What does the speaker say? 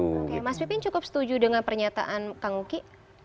oke mas pipin cukup setuju dengan pernyataan kang uki